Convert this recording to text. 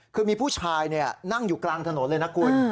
คือมีผู้ชายนั่งอยู่กลางถนนเลยนะคุณ